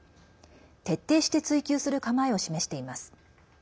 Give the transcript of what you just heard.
徹底して追求する構えを示しています。